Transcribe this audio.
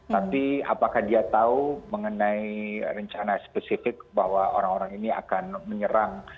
tapi apakah dia tahu mengenai rencana spesifik bahwa orang orang ini akan menyerang